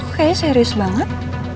aku kayaknya serius banget